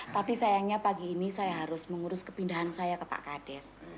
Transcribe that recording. tapi sayangnya pagi ini saya harus mengurus kepindahan saya ke pak kades